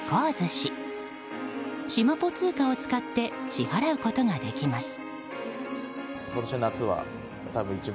しまぽ通貨を使って支払うことができます。